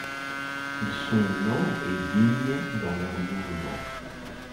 Ils sont lents et dignes dans leurs mouvements.